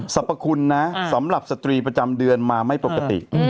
สรรพคุณนะสำหรับสตรีประจำเดือนมาไม่ปกติ